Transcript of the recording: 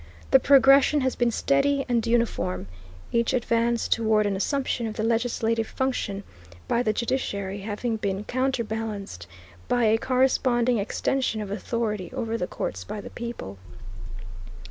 The progression has been steady and uniform, each advance toward an assumption of the legislative function by the judiciary having been counterbalanced by a corresponding extension of authority over the courts by the people.